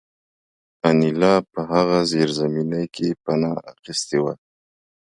انیلا په هغه زیرزمینۍ کې پناه اخیستې وه